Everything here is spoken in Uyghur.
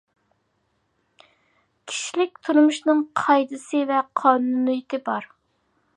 كىشىلىك تۇرمۇشنىڭ قائىدىسى ۋە قانۇنىيىتى بار.